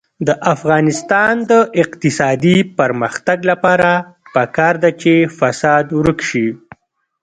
د افغانستان د اقتصادي پرمختګ لپاره پکار ده چې فساد ورک شي.